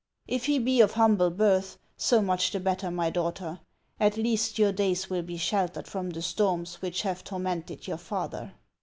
If he be of humble birth, so much the better, my daughter ; at least your days will be sheltered from the storms which have tormented your father.